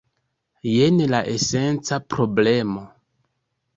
Jen la esenca problemo.